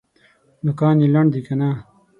نوکان یې لنډ دي که نه؟